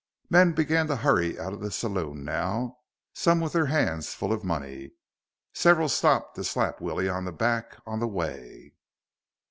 Men began to hurry out of the saloon now, some with their hands full of money. Several stopped to slap Willie on the back on the way.